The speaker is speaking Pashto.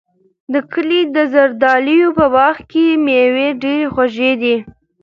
د کلي د زردالیو په باغ کې مېوې ډېرې خوږې دي.